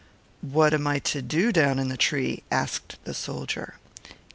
"But what am I to do, down there in the tree?" asked the soldier.